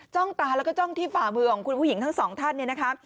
ตาแล้วก็จ้องที่ฝ่ามือของคุณผู้หญิงทั้งสองท่านเนี่ยนะคะ